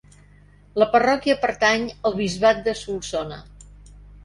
La parròquia pertany al Bisbat de Solsona.